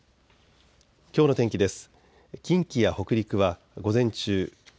きょうの天気です。